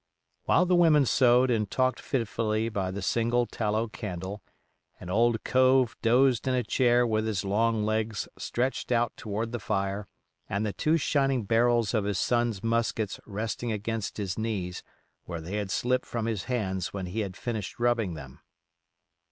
While the women sewed and talked fitfully by the single tallow candle, and old Cove dozed in a chair with his long legs stretched out toward the fire and the two shining barrels of his sons' muskets resting against his knees, where they had slipped from his hands when he had finished rubbing them.